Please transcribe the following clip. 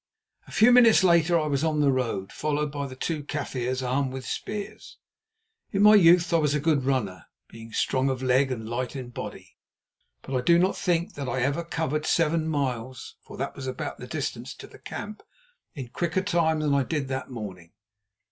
A few minutes later I was on the road, followed by the two Kaffirs armed with spears. In my youth I was a good runner, being strong of leg and light in body, but I do not think that I ever covered seven miles, for that was about the distance to the camp, in quicker time than I did that morning.